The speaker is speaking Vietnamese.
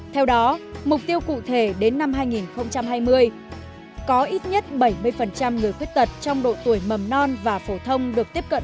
theo đó mục tiêu cụ thể đến năm hai nghìn hai mươi có ít nhất bảy mươi người khuyết tật trong độ tuổi mầm non và phổ thông được tiếp cận